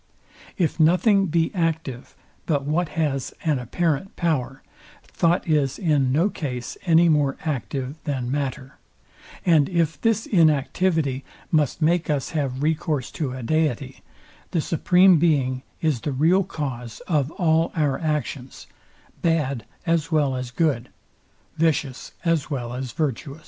If nothing be active but what has an apparent power, thought is in no case any more active than matter; and if this inactivity must make us have recourse to a deity, the supreme being is the real cause of all our actions, bad as well as good, vicious as well as virtuous.